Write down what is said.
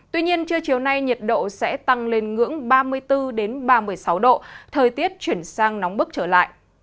tuy nhiên trưa chiều nay nhiệt độ sẽ tăng lên ngưỡng ba mươi bốn ba mươi sáu độ thời tiết chuyển sang nóng bức trở lại